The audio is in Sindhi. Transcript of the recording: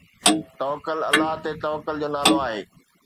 توڪل الله تي توڪل جو نالو آهي.